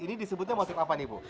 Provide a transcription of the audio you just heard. ini disebutnya maksud apa nih bu